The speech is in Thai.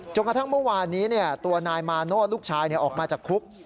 กระทั่งเมื่อวานนี้ตัวนายมาโน่ลูกชายออกมาจากคุก